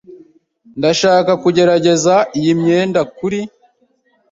Ndashaka kugerageza iyi myenda kuri.